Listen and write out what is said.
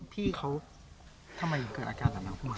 พี่เขาทำไมเกิดอาการแบบนั้นครับ